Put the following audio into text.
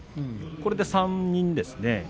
これで３人ですね。